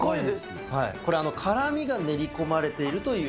これ、辛みが練り込まれているという。